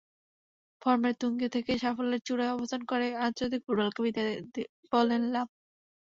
ফর্মের তুঙ্গে থেকে, সাফল্যের চূড়ায় অবস্থান করে আন্তর্জাতিক ফুটবলকে বিদায় বললেন লাম।